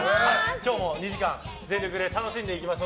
今日も２時間全力で楽しんでいきます。